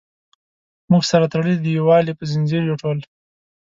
موږ سره تړلي د یووالي په زنځیر یو ټول.